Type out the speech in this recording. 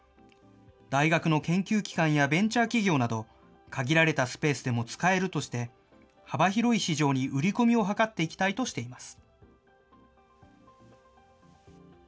大学の研究機関やベンチャー企業など限られたスペースでも使えるとして、幅広い市場に売り込みを図っていきたいとしています。